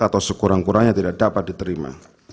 atau sekurang kurangnya tidak dapat diterima